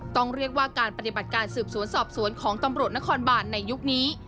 ต้องเรียกว่าการปฏิบัติการสืบสวนสอบสวนของตำรวจนครบานในยุคนี้